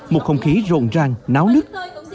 một không khí rộn ràng náo nứt